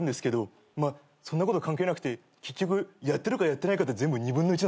まあそんなこと関係なくて結局やってるかやってないかって全部２分の１なんすよ。